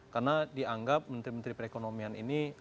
karena dianggap menteri menteri perekonomian ini